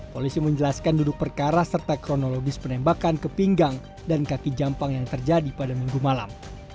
polisi menjelaskan duduk perkara serta kronologis penembakan ke pinggang dan kaki jampang yang terjadi pada minggu malam